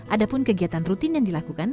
ada pun kegiatan rutin yang dilakukan